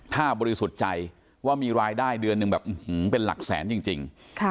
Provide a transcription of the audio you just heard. ถ้าบริสุทธิ์ใจว่ามีรายได้เดือนหนึ่งแบบเป็นหลักแสนจริง